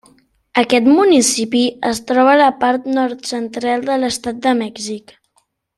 Aquest municipi es troba a la part nord-central de l'estat de Mèxic.